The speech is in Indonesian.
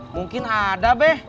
mungkin ada be